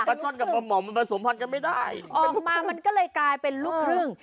ช่อนกับปลาหม่อมมันผสมพันธ์กันไม่ได้ออกมามันก็เลยกลายเป็นลูกครึ่ง